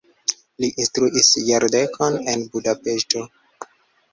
Li instruis jardekon en Budapeŝto.